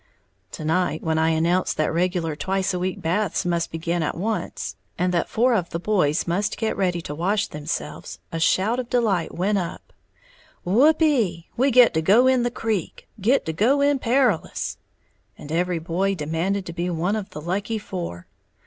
To night when I announced that regular twice a week baths must begin at once, and that four of the boys must get ready to wash themselves, a shout of delight went up, "Whoopee! We git to go in the creek, git to go in Perilous!" and every boy demanded to be one of the lucky four.